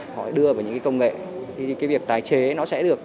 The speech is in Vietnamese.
họ đưa vào những cái công nghệ thì cái việc tái chế nó sẽ được